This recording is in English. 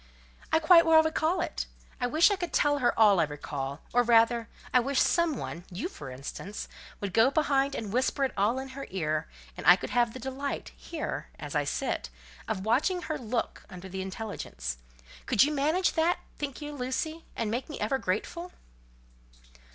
"I quite well recall it. I wish I could tell her all I recall; or rather, I wish some one, you for instance, would go behind and whisper it all in her ear, and I could have the delight—here, as I sit—of watching her look under the intelligence. Could you manage that, think you, Lucy, and make me ever grateful?"